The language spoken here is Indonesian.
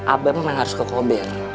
abang memang harus ke kobir